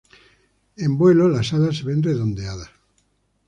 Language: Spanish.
En vuelo las alas se ven redondeadas.